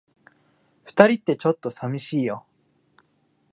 二人って、ちょっと寂しいよ。